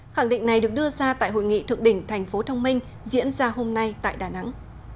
khẳng định này được đưa ra tại hội nghị thượng đỉnh thành phố thông minh diễn ra hôm nay tại đà nẵng